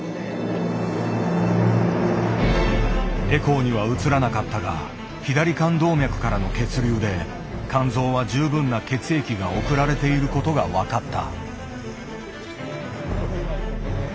エコーには映らなかったが左肝動脈からの血流で肝臓は十分な血液が送られていることが分かった。